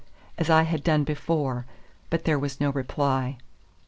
as I had done before; but there was no reply.